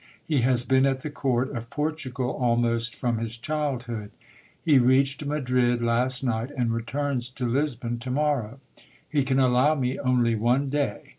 He has been at the court of Portugal almost from his childhood. He reached Madrid last night, and returns to Lisbon to morrow. He can allow me only one day.